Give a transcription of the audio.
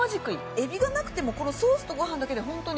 エビがなくてもこのソースとご飯だけでホントに。